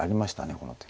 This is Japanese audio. この手。